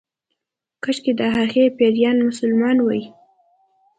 کشکې د هغې پيريان مسلمان وای